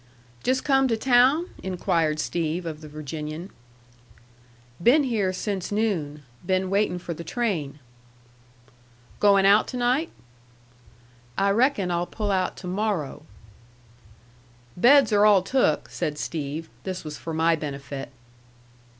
"Just come to town?" inquired Steve of the Virginian. "Been here since noon. Been waiting for the train." "Going out to night?" "I reckon I'll pull out to morro'." "Beds are all took," said Steve. This was for my benefit.